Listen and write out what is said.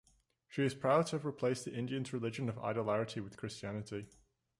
She is proud to have replaced the Indians religion of idolatry with Christianity.